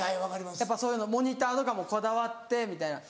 やっぱそういうのモニターとかもこだわってみたいな。